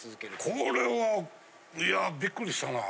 これはいやびっくりしたな。